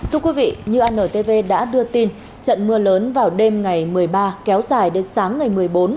thưa quý vị như antv đã đưa tin trận mưa lớn vào đêm ngày một mươi ba kéo dài đến sáng ngày một mươi bốn